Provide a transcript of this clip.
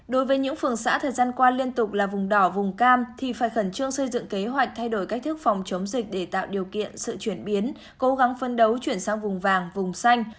đối với những phường xã thời gian qua liên tục là vùng đỏ vùng cam thì phải khẩn trương xây dựng kế hoạch thay đổi cách thức phòng chống dịch để tạo điều kiện sự chuyển biến cố gắng phân đấu chuyển sang vùng vàng vùng xanh